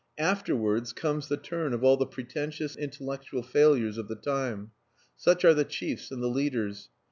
Afterwards comes the turn of all the pretentious intellectual failures of the time. Such are the chiefs and the leaders.